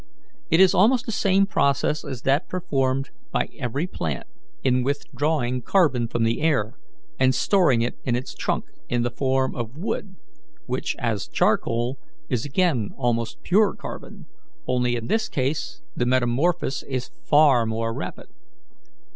It is almost the same process as that performed by every plant in withdrawing carbon from the air and storing it in its trunk in the form of wood, which, as charcoal, is again almost pure carbon, only in this case the metamorphosis is far more rapid.